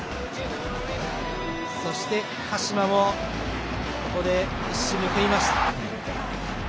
鹿島もここで一矢報いました。